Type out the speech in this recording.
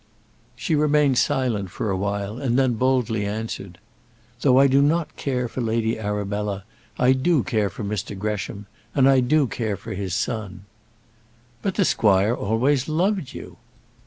She remained silent for a while, and then boldly answered. "Though I do not care for Lady Arabella, I do care for Mr Gresham: and I do care for his son." "But the squire always loved you."